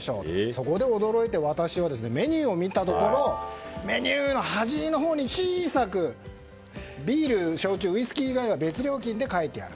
そこで驚いて私はメニューを見たところメニューの端のほうに小さくビール、焼酎ウイスキー以外は別料金と書いてある。